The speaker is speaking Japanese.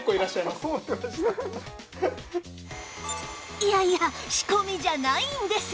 いやいや仕込みじゃないんです